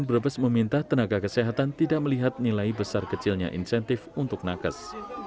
brebes meminta tenaga kesehatan tidak melihat nilai besar kecilnya insentif untuk nakes